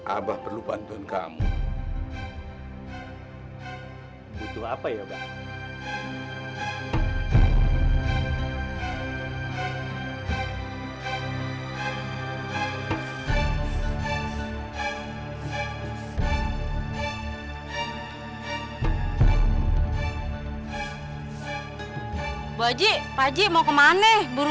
abah perlu bantuan kamu